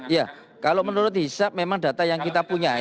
ya kalau menurut hisap memang data yang kita punya